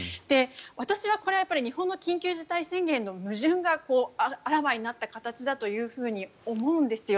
私はこれは日本の緊急事態宣言の矛盾があらわになった形だと思うんですよ。